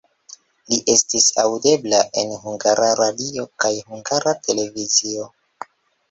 Li estis aŭdebla en Hungara Radio kaj Hungara Televizio.